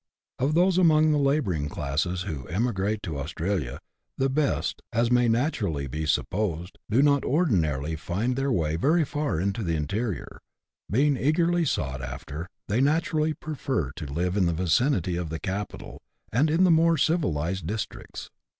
Of those among the labouring classes who emigrate to Aus tralia, the best, as may naturally be supposed, do not ordinarily find their way very far into the interior ; being eagerly sought 26 BUSH LIFE IN AUSTRALIA. [chap. hi. after, they naturally prefer to live in the vicinity of the capital, and in the more civilized districts.